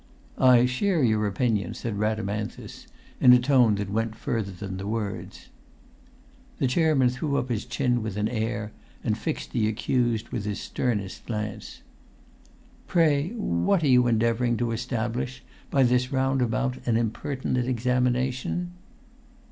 "I share your opinion," said Rhadamanthus, in a tone that went further than the words. The chairman threw up his chin with an air, and fixed the accused with his sternest glance. "Pray what are you endeavouring to establish by this round about and impertinent examination?"